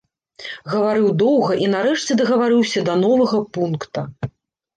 Гаварыў доўга і нарэшце дагаварыўся да новага пункта.